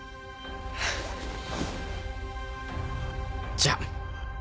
じゃあ。